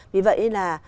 vì vậy là